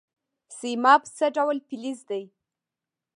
سیماب څه ډول فلز دی؟